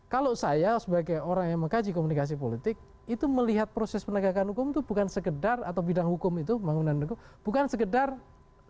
kalau saya sebagai orang yang mengkaji komunikasi politik itu melihat proses penegakan hukum itu bukan sekedar atau bidang hukum itu pembangunan hukum bukan sekedar